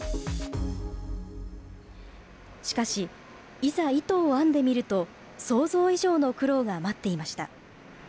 しかし、いざ、糸を編んでみると、想像以上の苦労が待っていました。